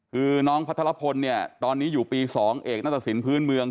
คือน้องพัทรพลเนี่ยตอนนี้อยู่ปี๒เอกนัตรสินพื้นเมือง